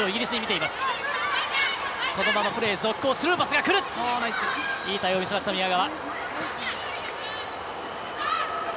いい対応を見せた、宮川。